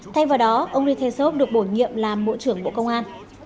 thay vào đó ông ri tae sop được bổ nhiệm làm bộ trưởng bộ công an